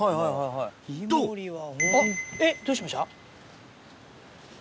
とどうしました？